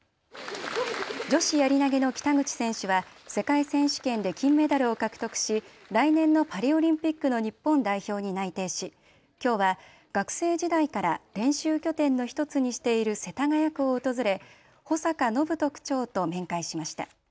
女子やり投げの北口選手は世界選手権で金メダルを獲得し来年のパリオリンピックの日本代表に内定し、きょうは学生時代から練習拠点の１つにしている世田谷区を訪れ保坂展人区長と面会しました。